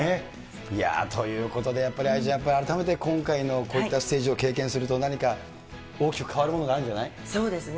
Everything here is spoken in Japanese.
いやー、ということで、やっぱり愛ちゃん、改めて今回のこういったステージを経験すると、何か大きく変わるそうですね。